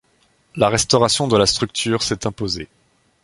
La restauration de la structure s'est imposée.